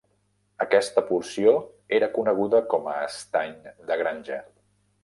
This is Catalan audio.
Aquesta porció era coneguda com a estany de granja.